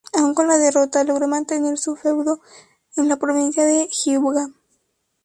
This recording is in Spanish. Aun con la derrota, logró mantener su feudo en la Provincia de Hyuga.